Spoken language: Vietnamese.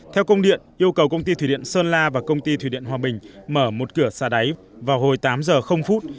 theo công điện yêu cầu công ty thủy điện sơn la và công ty thủy điện hòa bình mở một cửa xa đáy vào hồi tám giờ phút